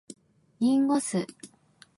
林檎酢